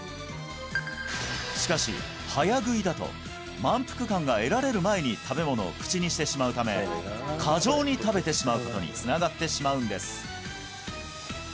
しかし早食いだと満腹感が得られる前に食べ物を口にしてしまうため過剰に食べてしまうことにつながってしまうんです